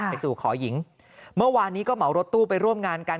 ไปสู่ขอหญิงเมื่อวานนี้ก็เหมารถตู้ไปร่วมงานกัน